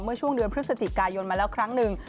เมื่อช่วงเดือนพฤศจิกายนมาแล้วครั้งหนึ่ง